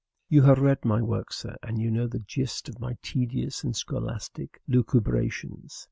You have read my work, sir, and you know the gist of my tedious and scholastic lucubrations.